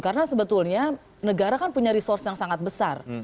karena sebetulnya negara kan punya resource yang sangat besar